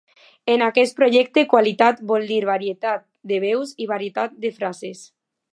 En aquest projecte qualitat vol dir varietat de veus i varietat de frases.